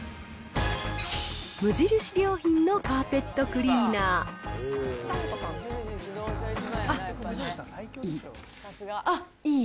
無印良品のカーペットクリーナーあっ、いい。